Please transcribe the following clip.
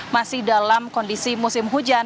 masih dalam kondisi musim hujan